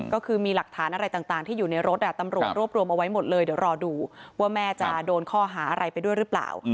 ก็คือมีหลักฐานอะไรต่างที่อยู่ในรถตำรวจรวบรวมเอาไว้หมดเลยเดี๋ยวรอดูว่าแม่จะโดนข้อหาอะไรไปด้วยหรือเปล่า